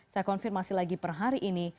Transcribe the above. saya konfirmasi lagi per hari ini